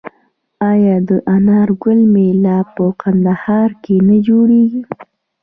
آیا د انار ګل میله په کندهار کې نه جوړیږي؟